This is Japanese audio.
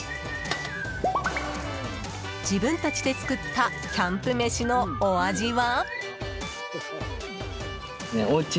自分たちで作ったキャンプ飯のお味は？